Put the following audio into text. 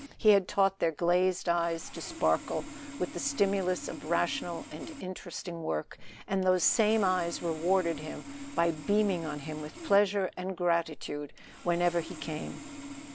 He had taught their glazed eyes to sparkle with the stimulus of rational and interesting work, and those same eyes rewarded him by beaming on him with pleasure and gratitude whenever he came.